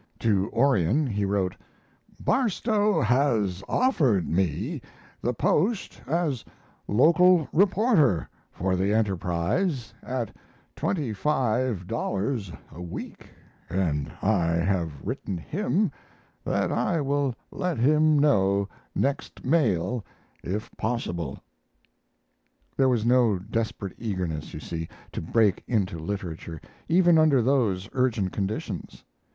To Orion he wrote Barstow has offered me the post as local reporter for the Enterprise at $25 a week, and I have written him that I will let him know next mail, if possible. There was no desperate eagerness, you see, to break into literature, even under those urgent conditions.